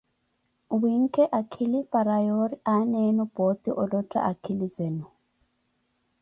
N`winkhe akhili para yoori aana enu poote olotta akhili zenu.